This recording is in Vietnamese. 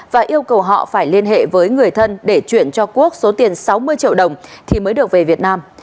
và yêu cầu họ phải liên hệ với người thân để chuyển cho quốc số tiền sáu mươi triệu đồng thì mới được về việt nam